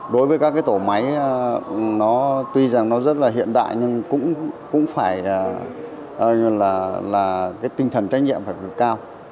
đối với các tổ máy tuy rằng nó rất hiện đại nhưng cũng phải tinh thần trách nhiệm phải cao